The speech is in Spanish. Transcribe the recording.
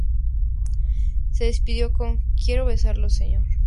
Se despidió con "¡Quiero besarlo Señor!